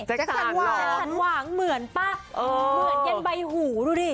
สันหวานเหมือนป่ะเหมือนเย็นใบหูดูดิ